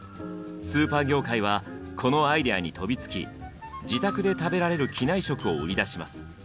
スーパー業界はこのアイデアに飛びつき自宅で食べられる機内食を売り出します。